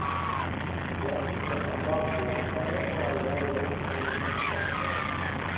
Na sita ambapo Wareno walianza ukoloni katika eneo hili